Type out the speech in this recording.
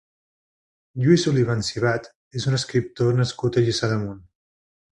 Lluís Oliván Sibat és un escriptor nascut a Lliçà d'Amunt.